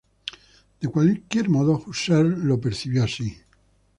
De cualquier modo, Husserl lo percibió así.